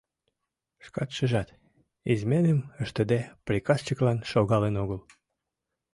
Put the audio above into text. — Шкат шижат, изменым ыштыде, приказчиклан шогалын огыл.